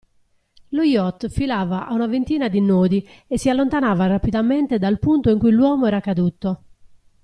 Lo yacht filava a una ventina di nodi e si allontanava rapidamente dal punto in cui l'uomo era caduto.